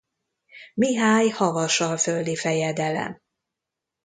Mihály havasalföldi fejedelem.